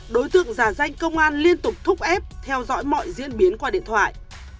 đối tượng giả danh công an liên tục thúc ép theo dõi mọi diễn biến qua điện thoại